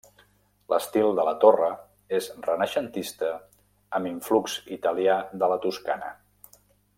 L'estil de la torre és renaixentista amb influx italià de la Toscana.